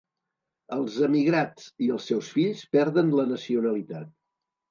Els emigrats i els seus fills perden la nacionalitat.